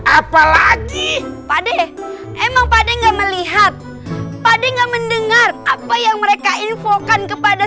apalagi pade emang pada enggak melihat pade enggak mendengar apa yang mereka infokan kepada